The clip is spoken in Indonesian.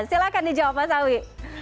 silahkan dijawab mas awi